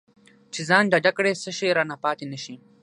چې ځان ډاډه کړي څه شی رانه پاتې نه شي.